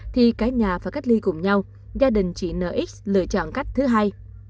thì cả nhà phải cách ly cùng nhau gia đình chị nx lựa chọn cách thứ hai